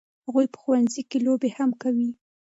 هغوی په ښوونځي کې لوبې هم کوي.